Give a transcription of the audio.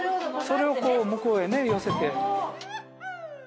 それをこう向こうへね寄せて。